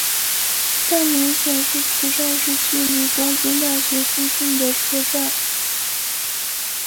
站名显示此站是距离东京大学最近的车站。